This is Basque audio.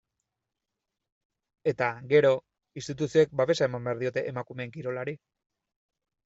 Eta, gero, instituzioek babesa eman behar diote emakumeen kirolari.